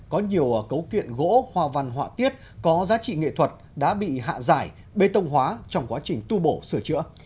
có nhiều cấu kiện gỗ hoa văn họa tiết có giá trị nghệ thuật đã bị hạ giải bê tông hóa trong quá trình tu bổ sửa chữa